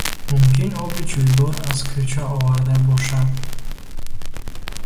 Мумкин оби ҷӯйбор аз кӯча оварда бошад?